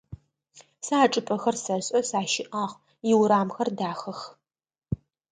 Сэ а чӏыпӏэхэр сэшӏэ, сащыӏагъ, иурамхэр дахэх.